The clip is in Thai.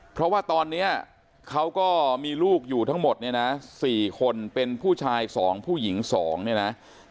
เพราะว่าตอนนี้เขาก็มีลูกอยู่ทั้งหมดเนี่ยนะ๔คนเป็นผู้ชาย๒ผู้หญิง๒เนี่ยนะ